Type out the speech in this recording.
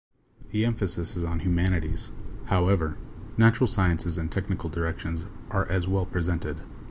The emphasis is on humanities; however, natural sciences and technical directions are as well presented.